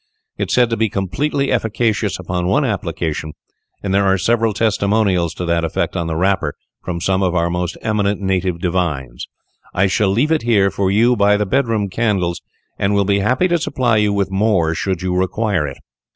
It is said to be completely efficacious upon one application, and there are several testimonials to that effect on the wrapper from some of our most eminent native divines. I shall leave it here for you by the bedroom candles, and will be happy to supply you with more, should you require it."